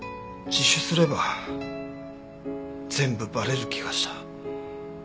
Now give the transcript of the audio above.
自首すれば全部バレる気がした。